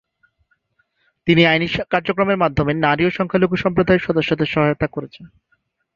তিনি আইনি কার্যক্রমের মাধ্যমে নারী ও সংখ্যালঘু সম্প্রদায়ের সদস্যদের সহায়তা করেছেন।